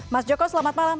mas joko selamat malam